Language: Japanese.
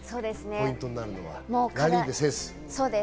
ポイントになるのはラリーで制す。